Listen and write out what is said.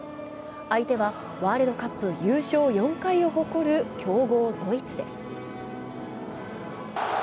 相手は、ワールドカップ優勝４回を誇る強豪ドイツです。